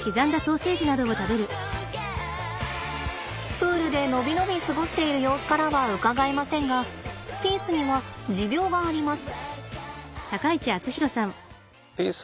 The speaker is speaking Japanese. プールで伸び伸び過ごしている様子からはうかがえませんがピースには持病があります。